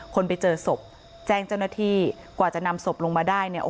คนไปเจอศพแจ้งเจ้าหน้าที่กว่าจะนำศพลงมาได้เนี่ย